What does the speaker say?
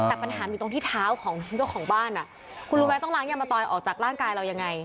แต่ปัญหาอยู่ตรงที่เท้าของเจ้าของบ้านอ่ะคุณรู้ไหมต้องล้างยางมะตอยออกจากร่างกายเรายังไง